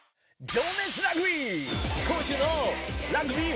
「情熱ラグビー」